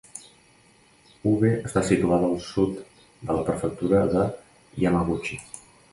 Ube està situada al sud de la prefectura de Yamaguchi.